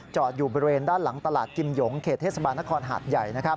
อยู่บริเวณด้านหลังตลาดกิมหยงเขตเทศบาลนครหาดใหญ่